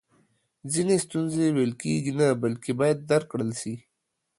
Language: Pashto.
ځینې ستونزی ویل کیږي نه بلکې باید درک کړل سي